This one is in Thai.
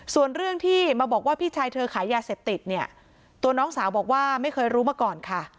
ส่วนเรื่องที่มาบอกว่าพี่ชายเธอขายยาเสพติดเนี่ยตัวน้องสาวบอกว่าไม่เคยรู้มาก่อนค่ะ